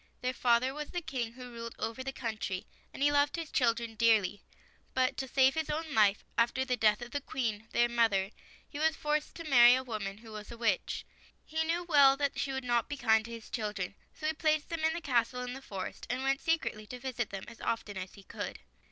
Their father was the King who ruled over the country, and he loved his chil dren dearly. But, to save his own life, after the death of the Queen, their mother, he was forced to marry a woman who was a witch. He knew well that she would not be kind to his children, so he placed them in the castle in the forest, and went secretly to visit them as often as he could.